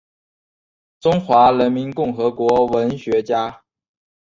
中华人民共和国文学家。